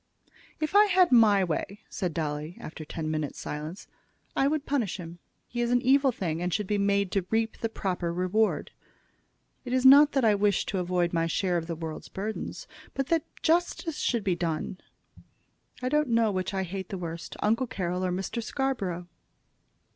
"If I had my way," said Dolly, after ten minutes' silence, "I would punish him. He is an evil thing, and should be made to reap the proper reward. It is not that I wish to avoid my share of the world's burdens, but that justice should be done. I don't know which I hate the worst, Uncle Carroll or Mr. Scarborough."